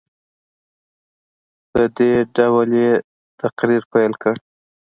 په دې ډول یې تقریر پیل کړ.